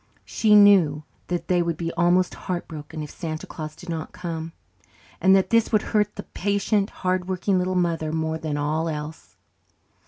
She knew that they would be almost heartbroken if Santa Claus did not come, and that this would hurt the patient hardworking little mother more than all else.